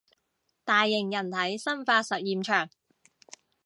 大型人體生化實驗場